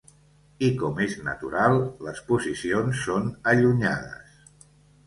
I, com és natural, les posicions són allunyades.